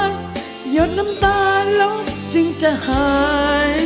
หยดน้ำตาลบจึงจะหาย